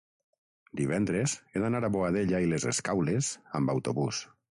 divendres he d'anar a Boadella i les Escaules amb autobús.